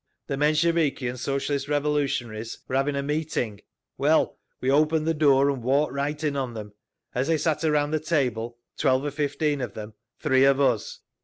The Mensheviki and Socialist Revolutionaries were having a meeting. Well, we opened the door and walked right in on them, as they sat around the table—twelve or fifteen of them, three of us.